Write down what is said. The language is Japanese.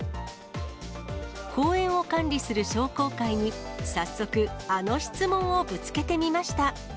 公園を管理する商工会に早速、あの質問をぶつけてみました。